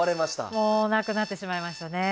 もうなくなってしまいましたね。